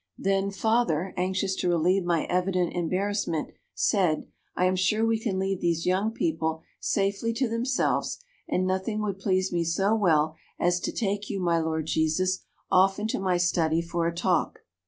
"Then father, anxious to relieve my evident embarrassment, said, 'I am sure we can leave these young people safely to themselves, and nothing would please me so well as to take you, my Lord Jesus, off into my study for a talk.'